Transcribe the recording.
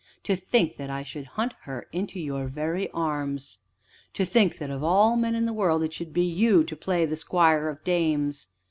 To think that I should hunt her into your very arms! To think that of all men in the world it should be you to play the squire of dames!"